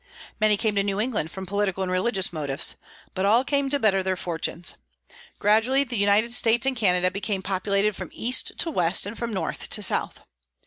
Many came to New England from political and religious motives. But all came to better their fortunes. Gradually the United States and Canada became populated from east to west and from north to south.